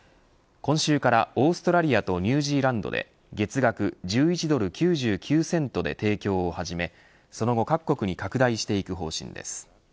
今週からオーストラリアとニュージーランドで月額１１ドル９９セントで提供を始めその後、各国に拡大していく方針です。